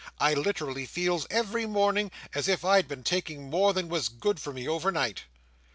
I literally feels every morning as if I had been taking more than was good for me over night."